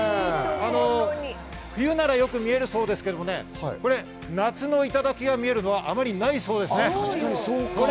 冬ならよく見えるそうですけど、夏の頂が見えるのはあまりないそうです。